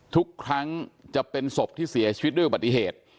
ทุกครั้งจะเป็นศพที่เสียชีวิตด้วยอุบัติเหตุ